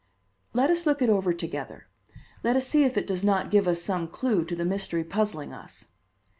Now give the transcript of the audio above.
"Let us look it over together. Let us see if it does not give us some clue to the mystery puzzling us."